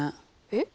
え？